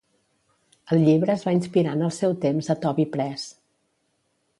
El llibre es va inspirar en el seu temps a Toby Press.